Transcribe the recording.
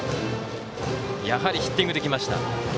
やはりヒッティングできました。